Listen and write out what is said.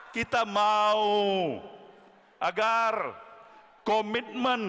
kita mau agar komitmen